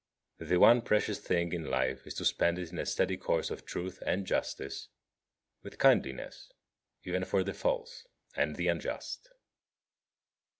The one precious thing in life is to spend it in a steady course of truth and justice, with kindliness even for the false and the unjust.